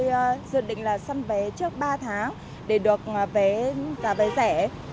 thì dự định là săn vé trước ba tháng để được vé giá vé rẻ